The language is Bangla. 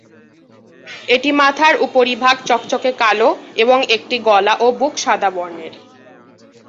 এটি মাথার উপরিভাগ চকচকে কালো এবং একটি গলা ও বুক সাদা বর্ণের।